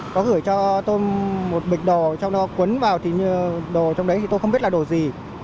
có gửi cho tôi một bịch đồ cho nó cuốn vào thì đồ trong đấy thì tôi không biết là đồ gì